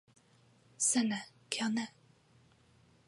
Se ne, kial ne?